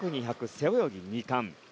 背泳ぎ２冠。